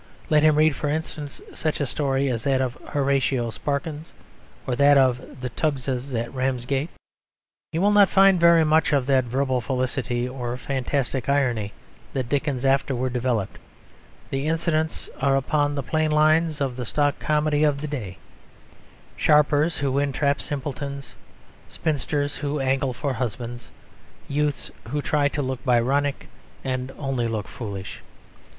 Let him read, for instance, such a story as that of Horatio Sparkins or that of The Tuggses at Ramsgate. He will not find very much of that verbal felicity or fantastic irony that Dickens afterwards developed; the incidents are upon the plain lines of the stock comedy of the day: sharpers who entrap simpletons, spinsters who angle for husbands, youths who try to look Byronic and only look foolish.